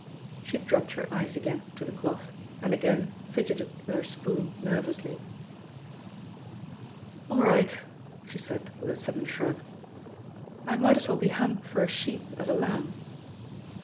She dropped her eyes again to the cloth and again fidgeted with her spoon nervously. "All right," she said with a sudden shrug, "I might as well be hung for a sheep as a lamb."